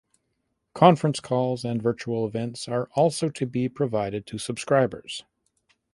Conference calls and virtual events are also to be provided to subscribers.